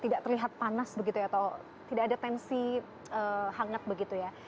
tidak terlihat panas begitu ya atau tidak ada tensi hangat begitu ya